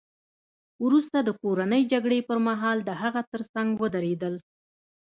وروسته د کورنۍ جګړې پرمهال د هغه ترڅنګ ودرېدل